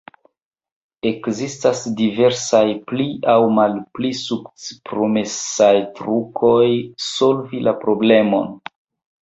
Ekzistas diversaj pli aŭ malpli sukcespromesaj trukoj solvi la problemon.